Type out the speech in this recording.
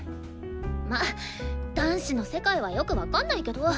まっ男子の世界はよく分かんないけど！